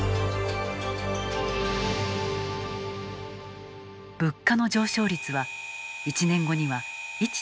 物価の上昇率は１年後には１．４％に。